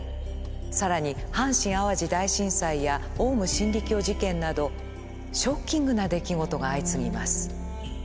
更に「阪神・淡路大震災」や「オウム真理教事件」などショッキングな出来事が相次ぎます。